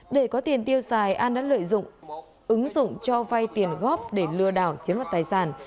để có tiền tiêu xài an đã lợi dụng ứng dụng cho vai tiền góp để lừa đảo chiến vật tài sản